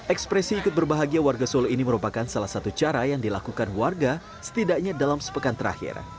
ekspresi ikut berbahagia warga solo ini merupakan salah satu cara yang dilakukan warga setidaknya dalam sepekan terakhir